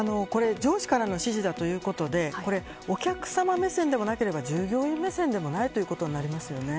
上司からの指示ということでお客様目線でもなければ従業員目線でもないということになります。